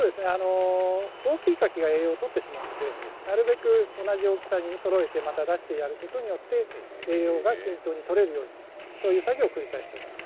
大きいカキは栄養をとるので、なるべく同じ大きさにそろえてまた出して入れることによって栄養が均等に取れるようにそういう作業を繰り返しています。